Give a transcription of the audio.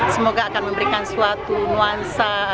semoga akan memberikan suatu kemampuan untuk mereka